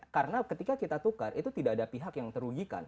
karena ketika kita tukar itu tidak ada pihak yang terugikan